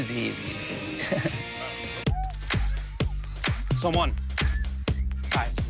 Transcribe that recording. ส่วนใหญ่